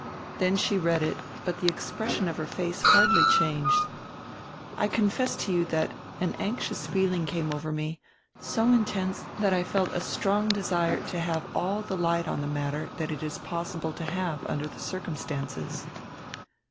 Then she read it, but the expression of her face hardly changed. I confess to you that an anxious feeling came over me, so intense that I felt a strong desire to have all the light on the matter that it is possible to have under the circumstances."